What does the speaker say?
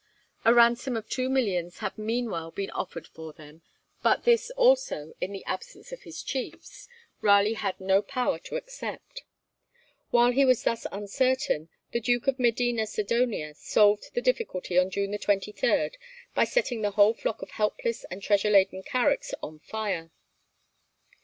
A ransom of two millions had meanwhile been offered for them, but this also, in the absence of his chiefs, Raleigh had no power to accept. While he was thus uncertain, the Duke of Medina Sidonia solved the difficulty on June 23, by setting the whole flock of helpless and treasure laden carracks on fire.